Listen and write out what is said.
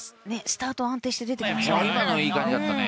スタートは安定して出ていきましたね。